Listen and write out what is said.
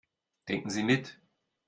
Denken Sie mit.